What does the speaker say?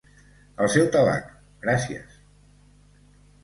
El seu tabac, gràcies.